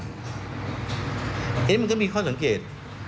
เพราะนั้นมันก็มีข้อสังเกต